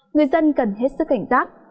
người dân cần hết sức cảnh giác